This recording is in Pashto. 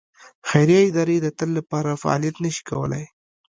خیریه ادارې د تل لپاره فعالیت نه شي کولای.